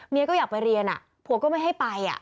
ก็อยากไปเรียนผัวก็ไม่ให้ไป